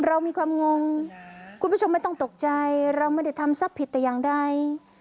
เรามีความงงคุณผู้ชมไม่ต้องตกใจเราไม่ได้ทำทรัพย์ผิดแต่อย่างใด